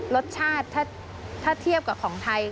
รสชาติถ้าเทียบกับของไทย